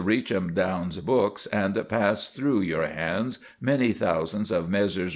Reachemdown's books, and pass through your hands many thousands of Messrs.